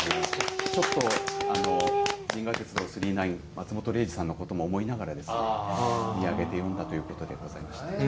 ちょっと、銀河鉄道９９９、松本零士さんのことも思いながらですね、見上げて詠んだということでございます。